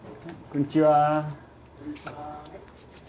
こんにちは。